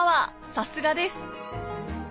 さすがです